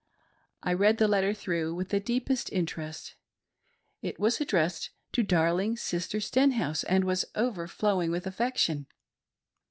I read the letter through with the deepest interest. It was addressed "to darling Sister Stenhouse," and was overflow ing with affection.